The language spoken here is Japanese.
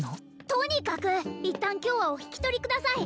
とにかく一旦今日はお引き取りください